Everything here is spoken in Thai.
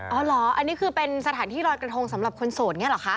อ๋อเหรออันนี้คือเป็นสถานที่ลอยกระทงสำหรับคนโสดอย่างนี้เหรอคะ